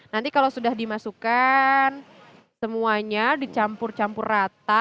nanti kalau sudah dimasukkan semuanya dicampur campur rata